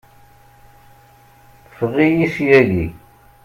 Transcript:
Ffeɣ-iyi syagi!